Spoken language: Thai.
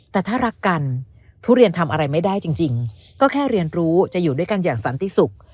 แต่ถ้ารักกันทุเรียนทำอะไรไม่ได้จริงก็แค่เรียนรู้จะอยู่ด้วยกันอย่างสันติสุข